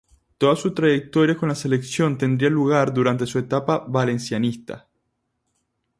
Toda su trayectoria con la Selección tendría lugar durante su etapa valencianista.